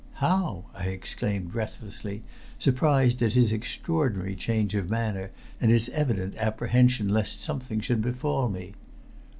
"How?" I exclaimed breathlessly, surprised at his extraordinary change of manner and his evident apprehension lest something should befall me.